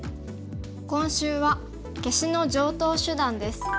今週は「消しの常とう手段」です。